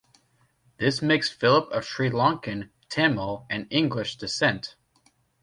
This makes Philip of Sri Lankan Tamil and English descent.